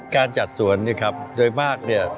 การจัดสวนเนี่ยครับโดยมากเนี่ย